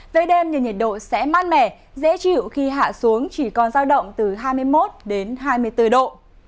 về đêm thì nhiệt độ sẽ mát mẻ dễ chịu khi hạ xuống chỉ còn giao động từ hai mươi một đến hai mươi bốn độ